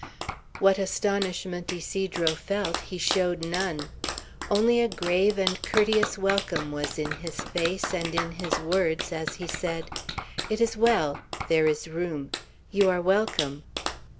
What astonishment Ysidro felt, he showed none. Only a grave and courteous welcome was in his face and in his words as he said, "It is well. There is room. You are welcome."